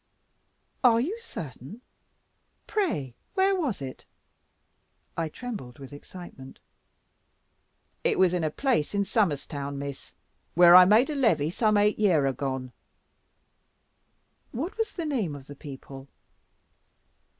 "Are you certain? Pray where was it?" I trembled with excitement. "It was in a place in Somers town, Miss; where I made a levy, some eight year agone." "What was the name of the people?"